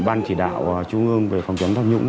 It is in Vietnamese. ban chỉ đạo trung ương về phòng chống tham nhũng